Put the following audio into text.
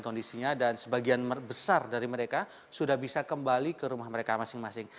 kondisinya dan sebagian besar dari mereka sudah bisa kembali ke rumah mereka masing masing